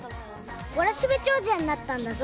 わらしべ長者になったんだぞ。